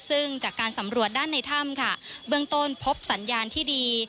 ซึ่งจากการสำรวจด้านในถ้ำค่ะเบื้องต้นพบสัญญาณที่ดี